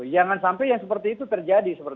jangan sampai yang seperti itu terjadi